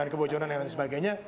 kebocoran dan lain sebagainya